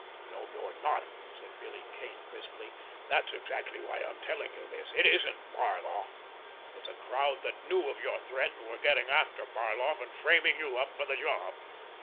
"No, you're not!" said Billy Kane crisply. "That's exactly why I am telling you this. It isn't Barloff. It's a crowd that knew of your threat, and they're getting after Barloff, and framing you up for the job.